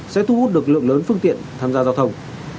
sẽ thu hút được lượng lớn phương tiện tham gia giao thông